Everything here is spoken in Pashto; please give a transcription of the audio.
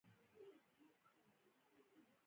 دا د ولس د ژوند په بیه وو.